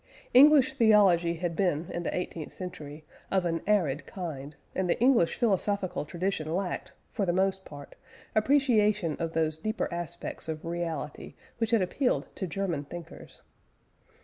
English theology had been, in the eighteenth century, of an arid kind, and the English philosophical tradition lacked, for the most part, appreciation of those deeper aspects of reality which had appealed to German thinkers.